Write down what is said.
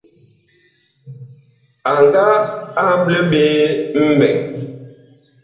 A nga amble ɓe mɓɛɛŋ.